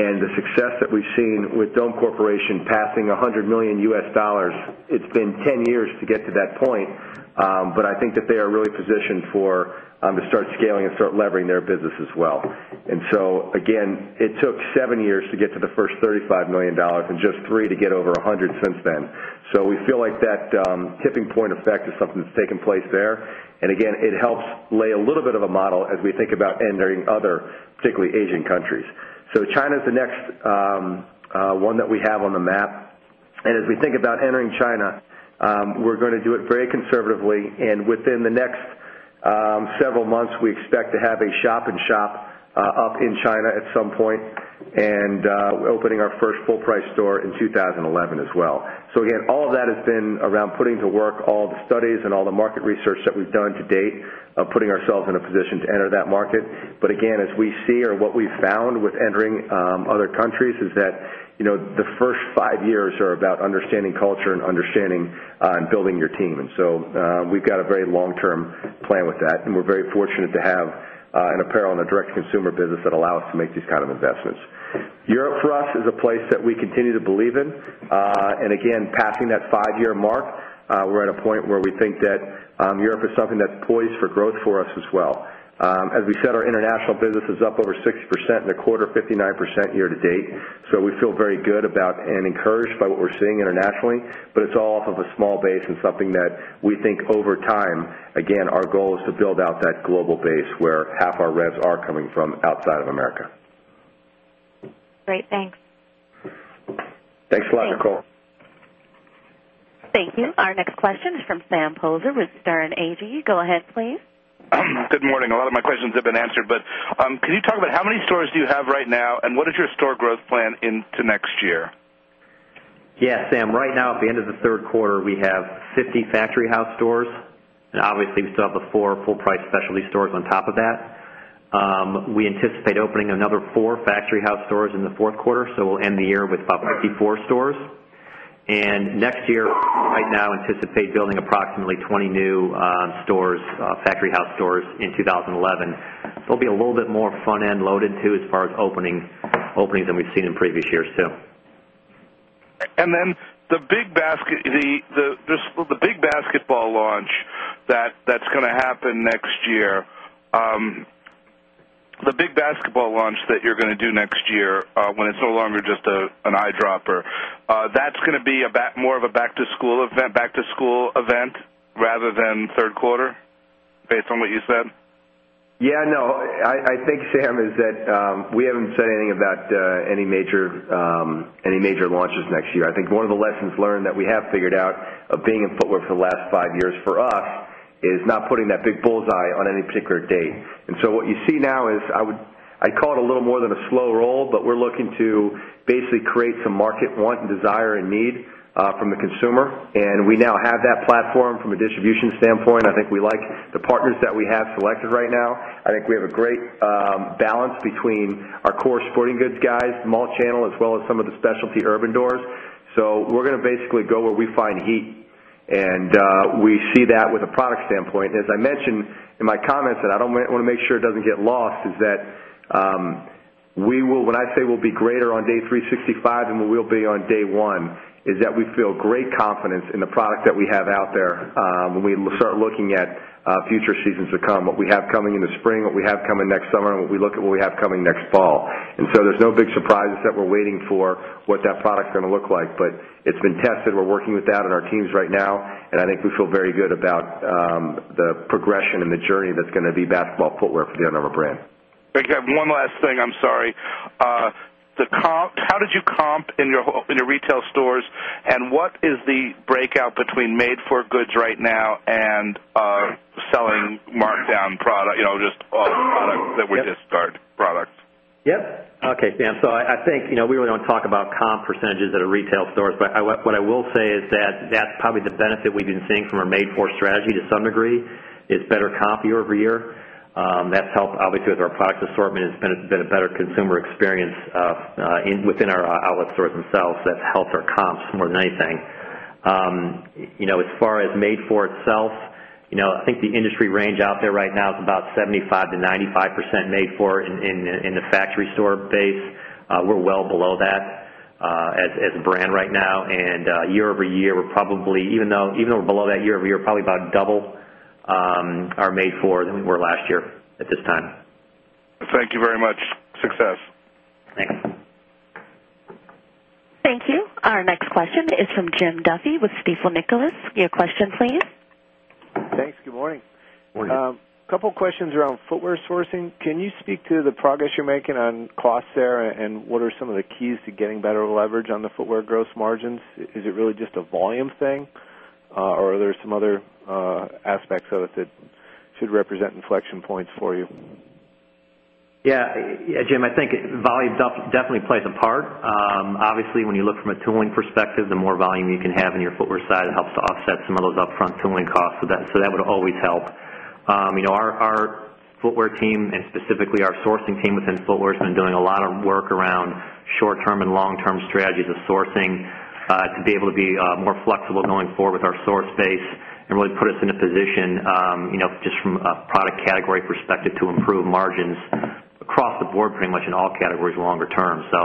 and the success that we've seen with Dome Corporation passing $100,000,000 it's been 10 years to get to that point, but I think that they are really positioned for to start scaling and start levering their business as well. And so, again, it took 7 years to get to the first $35,000,000 and just 3 to get over $100,000,000 since then. So, we feel like that tipping point effect is something that's taken place there. And again, it helps lay a little bit of a model as we think about entering other, particularly Asian countries. So, China is the next one that we have on the map. And as we think about entering China, we're going to do it very conservatively. And within the next several months, we expect to have a shop in shop up in China at some point, and we're opening our 1st full price store in 2011 as well. So again, all of that has been around putting to work all the studies and all the market research that we've done to date, putting ourselves in a position to enter that market. But again, as we see or what we've found with entering other countries is that the first five years are about understanding culture and understanding and building your team. And so we've got a very long term plan with that, and we're very fortunate to have an apparel and a direct to consumer business that allow us to make these kind of investments. Europe for us is a place that we continue to believe in. And again, passing that 5 year mark, we're at a point where we think that Europe is something that's poised for growth for us as well. As we said, our international business is up over 60% in the quarter, 59% year to date. So, we feel very good about and encouraged by what we're seeing internationally. But it's all off of a small base and something that we think over time, again, our goal is to build out that global base where half our revs are coming from outside of America. Great. Thanks. Thanks a lot, Nicole. Thank you. Our next question is from Sam Poser with Stern AG. Go ahead please. Good morning. A lot of my questions have been answered. But can you talk about how many stores do you have right now? And what is your store growth plan into next year? Yes, Sam. Right now at the end of the Q3, we have 50 Factory House stores. And obviously, we still have the 4 full price specialty stores on top of that. We anticipate opening another 4 factory house stores in the Q4. So we'll end the year with up 54 stores. And next year, right now anticipate building approximately 20 new stores factory house stores in 2011. There'll be a little bit more front end loaded too as far as openings than we've seen in previous years too. And then the big basketball launch that's going to happen next year, The big basketball launch that you're going to do next year when it's no longer just an eyedropper, that's going to be a more of a back to school event rather than Q3 based on what you said? Yes. No, I think, Sam, is that we haven't said anything about any major launches next year. I think one of the lessons learned that we have figured out of being in footwear for the last 5 years for us is not putting that big bull's eye on any particular date. And so, what you see now is, I would I'd call it a little more than a slow roll, but we're looking to basically create some market want and desire and need from the consumer. And we now have that platform from a distribution standpoint. I think we like the partners that we have selected right now. I think we have a great balance between our core sporting goods guys, mall channel as well as some of the specialty urban doors. So, we're going to basically go where we find heat, And we see that with a product standpoint. And as I mentioned in my comments, and I don't want to make sure it doesn't get lost, is that we will when I say we'll be greater on day 365 than we will be on day 1 is that we feel great confidence in the product that we have out there when we start looking at future seasons to come, what we have coming in the spring, what we have coming next summer, and what we look at what we have coming next fall. And so there's no big surprises that we're waiting for what that product is going to look like. But it's been tested. We're working with that and our teams right now. And I think we feel very good about the progression and the journey that's going to be basketball footwear for the Under Armour brand. Okay. I have one last thing, I'm sorry. The comp how did you comp in your retail stores? And what is the breakout between made for goods right now and selling markdown product just all the products that we just start products? Yes. Okay, Sam. So I think we really don't talk about comp percentages at our retail stores, but what I will say is that that's probably the benefit we've been seeing from our Made For strategy to some degree is better comp year over year. That's helped obviously with our product assortment. It's been a better consumer experience within our outlet stores themselves that helped our comps more than anything. As far as made for itself, I think the industry range out there right now is about 75% to 95% made for in the factory store base. We're well below that as a brand right now. And year over year, we're probably even though we're below that year over year, probably about double our May 4th than we were last year at this time. Thank you very much. Success. Thanks. Thank you. Our next question is from Jim Duffy with Stifel Nicolaus. Your question please. Thanks. Good morning. Good morning. Couple of questions around footwear sourcing. Can you speak to the progress you're making on costs there and what are some of the keys to getting better leverage on the footwear gross margins? Is it really just a volume thing? Or are there some other aspects of it that should represent inflection points for you? Yes. Jim, I think volume definitely plays a part. Obviously, when you look from a tooling perspective, the more volume you can have in your footwear side, it helps to offset some of those upfront tooling costs. So that would always help. Our footwear team and specifically our sourcing team within footwear has been doing a lot of work around short term and long term strategies of sourcing to be able to be more flexible going forward with our source base and really put us in a position just from a product category perspective to improve margins across the board pretty much in all categories longer term. So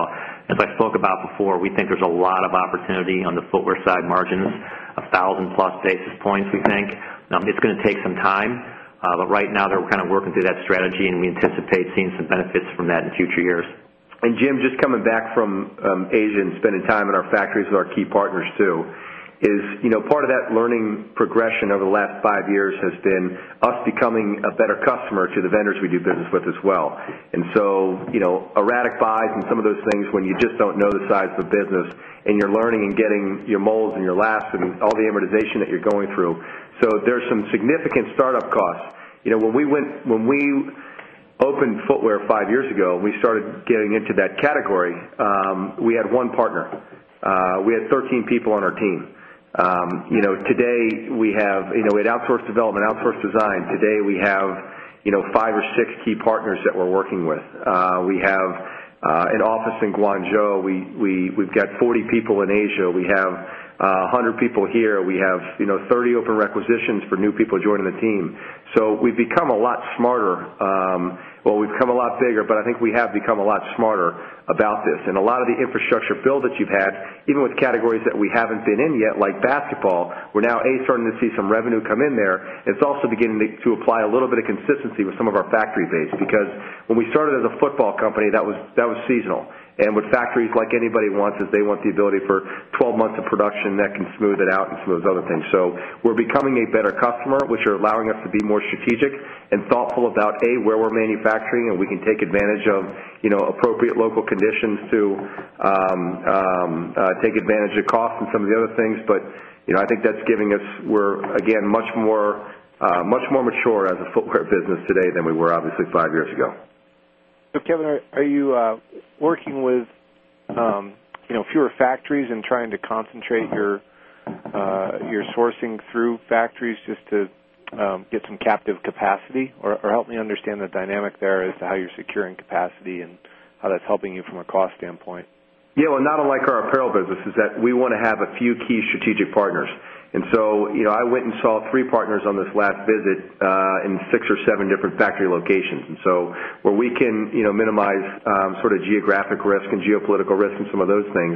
as I spoke about before, we think there's a lot of opportunity on the footwear side margins, 1,000 plus basis points, we think. It's going to take some time. But right now, they're kind of working through that strategy, and we anticipate seeing some benefits from that in future years. And Jim, just coming back from Asia and spending time in our factories with our key partners too, is part of that learning progression over the last 5 years has been us becoming a better customer to the vendors we do business with as well. And so, erratic buys and some of those things when you just don't know the size of the business and you're learning and getting your molds and your lats and all the amortization that you're going through. So, there's some significant start up costs. When we opened footwear 5 years ago, we started getting into that category, we had one partner. We had 13 people on our team. Today, we have we had outsourced development, outsourced design. Today, we have 5 or 6 key partners that we're working with. We have an office in Guangzhou. We've got 40 people in Asia. We have 100 people here. We have 30 open requisitions for new people joining the team. So, we've become a lot smarter. Well, we've become a lot bigger, but I think we have become a lot smarter about this. And a lot of the infrastructure build that you've had, even with categories that we haven't been in yet, like basketball, we're now, a, starting to see some revenue come in there. It's also beginning to apply a little bit of consistency with some of our factory base because when we started as a football company, that was seasonal. And with factories like anybody wants is they want the ability for 12 months of production that can smooth it out and some of those other things. So we're becoming a better customer, which are allowing us to be more strategic and thoughtful about, A, where we're manufacturing and we can take advantage of appropriate local conditions to take advantage of costs and some of the other things. But I think that's giving us we're again much more mature as a footwear business today than we were obviously 5 years ago. So, Kevin, are you working with fewer factories and trying to concentrate your sourcing through factories just to get some captive capacity? Capacity? Or help me understand the dynamic there as to how you're securing capacity and how that's helping you from a cost standpoint? Yes. Well, not unlike our apparel business is that we want to have a few key strategic partners. And so, I went and saw 3 partners on this last visit in 6 or 7 different factory locations. And so, where we can minimize sort of geographic risk and geopolitical risk and some of those things,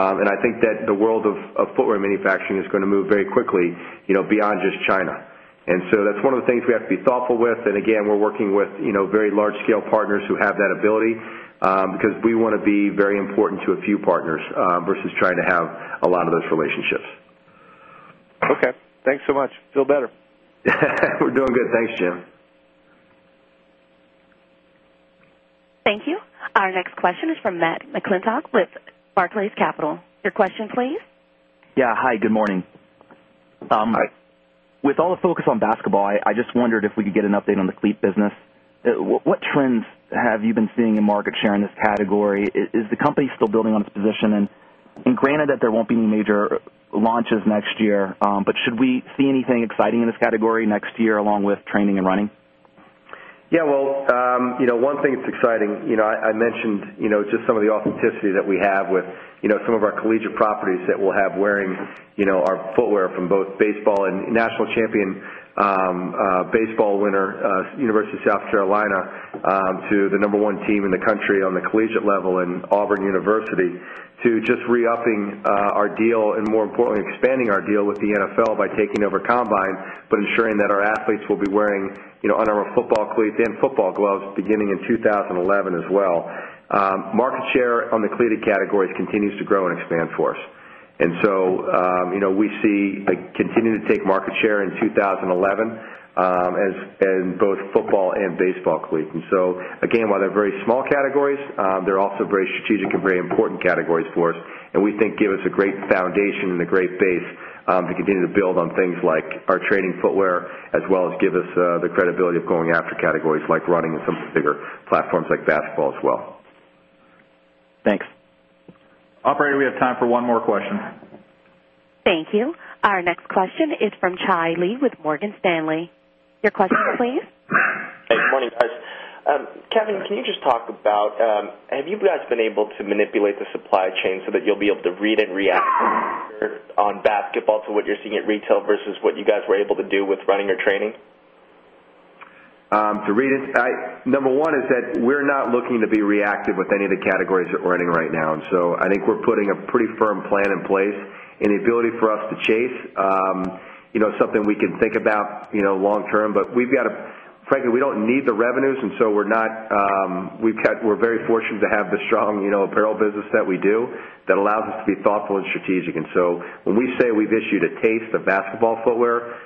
and I think that the world of footwear manufacturing is going to move very quickly beyond just China. And so, that's one of the things we have to be thoughtful with. And again, we're working with very large scale partners who have that ability because we want to be very important to a few partners versus trying to have a lot of those relationships. Okay. Thanks so much. Feel better. We're doing good. Thanks, Jim. Thank you. Our next question is from Matt McClintock with Barclays Capital. With all the focus on basketball, I just wondered if we could get an update on the cleat business. What trends have you been seeing in market share in this category? Is the company still building on its position? And granted that there won't be any major launches next year, but should we see anything exciting in this category next year along with training and running? Yes. Well, one thing that's exciting, I mentioned just some of the authenticity that we have with some of our collegiate properties that we'll have wearing our footwear from both baseball and national champion baseball winner, University of South Carolina, to the number one team in the country on the collegiate level and Auburn University to just re upping our deal and, more importantly, expanding our deal with the NFL by taking over Combine, but ensuring that our athletes will be wearing on our football cleats and football gloves beginning in 2011 as well. Market share on the cleated categories continues to grow and expand for us. And so, we see continue to take market share in 2011 in both football and baseball cleats. And so, again, while they're very small categories, they're also very strategic and very important categories for us and we think give us a great foundation and a great base to continue to build on things like our trading footwear as well as give us the credibility of going after categories like running and some bigger platforms like basketball as well. Thanks. Operator, we have time for one more question. Thank you. Our next question is from Chai Lee with Morgan Stanley. Your question please. Hey, good morning guys. Kevin, can you just talk about, have you guys been able to manipulate the supply chain so that you'll be able to read and react on basketball to what you're seeing at retail versus what you guys were able to do with running or training? To read it, number 1 is that we're not looking to be reactive with any of the categories that we're running right now. And so I think we're putting a pretty firm plan in place and the ability for us to chase something we can think about long term. But we've got to frankly, we don't need the revenues. And so, we're not we've got we're very fortunate to have the strong apparel business that we do that allows us to be thoughtful and strategic. And so, when we say we've issued a taste of basketball footwear,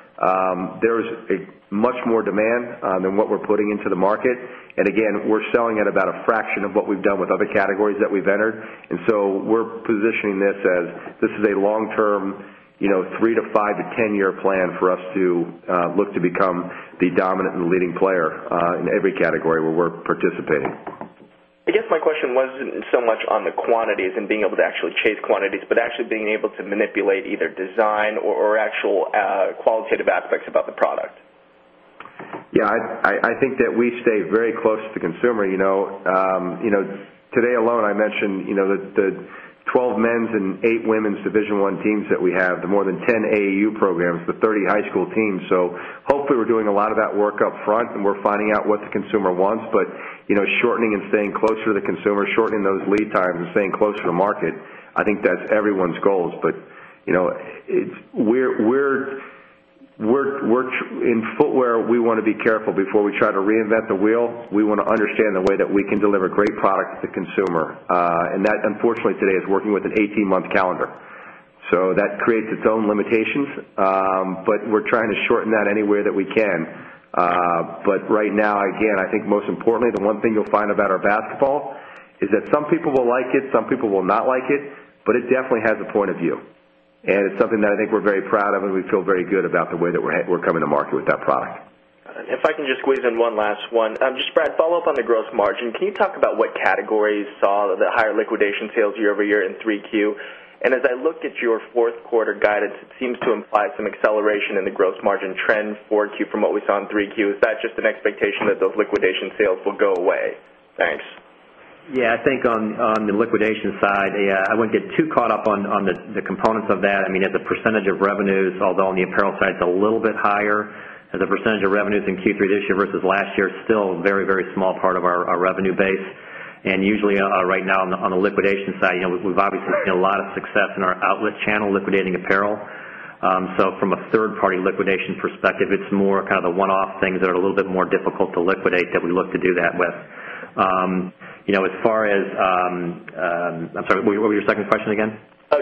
there is a much more demand than what we're putting into the market. And again, we're selling at about a fraction of what we've done with other categories that we've entered. And so we're positioning this as this is a long term 3 to 5 to 10 year plan for us to look to become the dominant and leading player in every category where we're participating. I guess my question wasn't so much on the quantities and being able to actually chase quantities, but being able to manipulate either design or actual qualitative aspects about the product. Yes. I think that we stay very close to consumer. Today alone, I mentioned the 12 men's and 8 women's Division 1 teams that we have, the more than 10 AAU programs, the 30 high school teams. So, hopefully, we're doing a lot of that work upfront, and we're finding out what the consumer wants. But shortening and staying closer to the consumer, shortening those lead times and staying closer to market, I think that's everyone's goals. But we're in footwear, we want to be careful before we try to reinvent the wheel. We want to understand the way that we can deliver great product to consumer. And that, unfortunately, today is working with an 18 month calendar. So, that creates its own limitations, but we're trying to shorten that any way that we can. But right now, again, I think most importantly, the one thing you'll find about our basketball is that some people will like it, some people will not like it, but it definitely has a point of view. And it's something that I think we're very proud of and we feel very good about the way that we're coming to market with that product. And if I can just squeeze in one last one. Just Brad, follow-up on the gross margin. Can you talk about what categories saw the higher liquidation sales year over year in 3Q? And as I look at your Q4 guidance, it seems to imply some acceleration in the gross margin trend 4Q from what we saw in 3Q. Is that just an expectation that those liquidation sales will go away? Thanks. Yes. I think on the liquidation side, yes, I wouldn't get too caught up on the components of that. I mean, as a percentage of revenues, although on the apparel side, it's a little bit higher as a percentage of revenues in Q3 this year versus last year, it's still a very, very small part of our revenue base. And usually right now on the liquidation side, we've obviously seen a lot of success in our outlet channel liquidating apparel. So from a 3rd party liquidation perspective, it's more kind of the one off things that are a little bit more difficult to liquidate that we look to do that with. As far as I'm sorry, what was your second question again?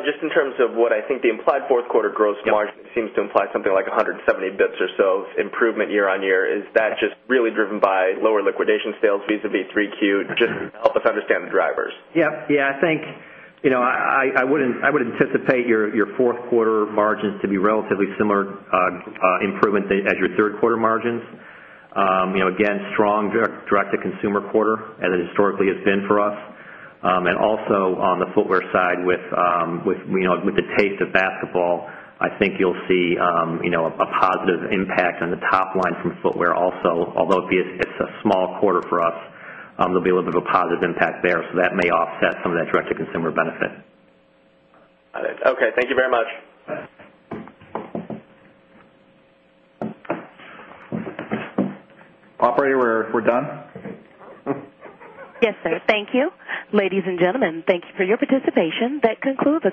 Just in terms of what I think the implied 4th quarter gross margin seems to imply something like 170 bps or so improvement year on year. Is that just really driven by lower liquidation sales visavis3q? Just help us understand the drivers. Yes. Yes. I think I would anticipate your 4th quarter margins to be relatively similar improvement as your 3rd quarter margins. Again, strong direct to consumer quarter as it historically has been for us. And also on the footwear side with the taste of basketball, I think you'll see a positive impact on the top line from footwear also. Although it's a small quarter for us, there'll be a little bit of a positive impact there. So that may offset some of that direct to consumer benefit. Got it. Okay. Thank you very much. Operator, we're done. Yes, sir. Thank you. Ladies and gentlemen, thank you for your participation. That concludes